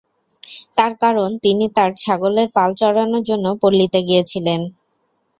তার কারণ, তিনি তাঁর ছাগলের পাল চড়ানোর জন্য পল্লীতে গিয়েছিলেন।